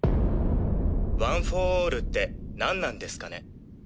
ワン・フォー・オールって何なんですかね？